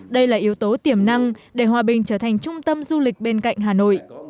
đây là yếu tố tiềm năng để hòa bình trở thành trung tâm du lịch bên cạnh hà nội